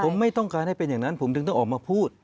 ผมไม่ต้องการให้เป็นอย่างนั้นผมถึงต้องออกมาพูด